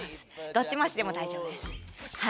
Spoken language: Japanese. どっち回しでも大丈夫です。